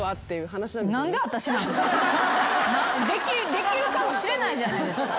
できるかもしれないじゃないですか。